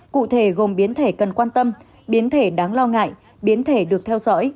cụ thể gồm biến thể cần quan tâm biến thể đáng lo ngại biến thể được theo dõi